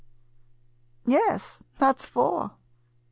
Yes, that 9 s four.